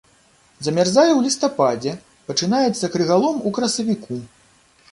Замярзае ў лістападзе, пачынаецца крыгалом у красавіку.